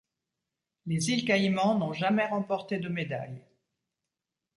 Les Îles Caïmans n'ont jamais remporté de médailles.